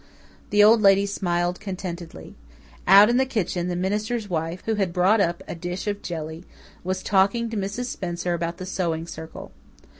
The Old Lady smiled contentedly. Out in the kitchen, the minister's wife, who had brought up a dish of jelly, was talking to Mrs. Spencer about the Sewing Circle.